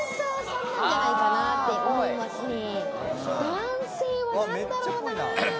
男性は何だろうな。